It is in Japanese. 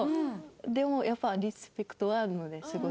でもやっぱリスペクトはあるのですごい。